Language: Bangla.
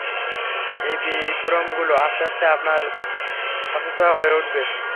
এই বিভ্রমগুলো আস্তে আস্তে আপনার অসুস্থতার অংশ হয়ে উঠেছে।